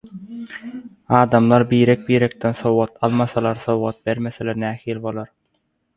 adamlar birek-birekden sowgat almasalar, sowgat bermeseler nähili bolar?